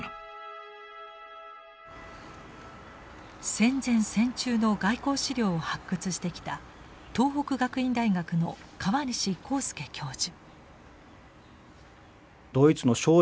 戦前戦中の外交史料を発掘してきた東北学院大学の河西晃祐教授。